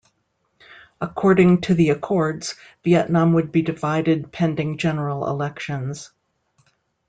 According to the accords, Vietnam would be divided pending general elections.